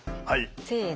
せの。